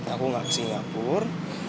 aku gak ke singapur